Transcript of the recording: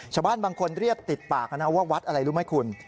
ชาวบ้านบางคนเรียกติดปากนะว่าวัดอะไรรู้ไหมคุณ